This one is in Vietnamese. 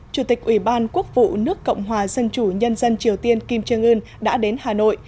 chủ tịch ủy ban quốc vụ nước cộng hòa dân chủ nhân dân triều tiên kim trương ưn đã đến hà nội